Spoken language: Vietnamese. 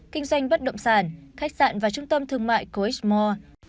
kinh doanh bất động sản khách sạn và trung tâm thương mại coigmore